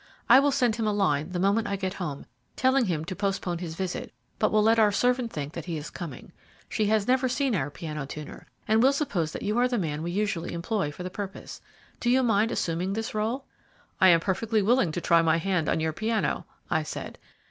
I will send him a line the moment I get home, telling him to postpone his visit, but will let our servant think that he is coming. She has never seen our piano tuner, and will suppose that you are the man we usually employ for the purpose. Do you mind assuming this rôle?" "I am perfectly willing to try my hand on your piano," I said.